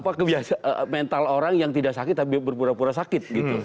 apa kebiasaan mental orang yang tidak sakit tapi berpura pura sakit gitu